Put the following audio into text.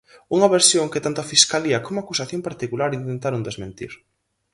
Unha versión que tanto a fiscalía como a acusación particular intentaron desmentir.